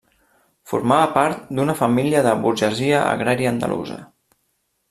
Formava part d'una família de la burgesia agrària andalusa.